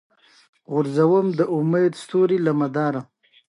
سوېلي ویلز ته د زندانیانو لېږدول بند شول.